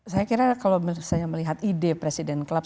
saya kira kalau misalnya melihat ide presiden club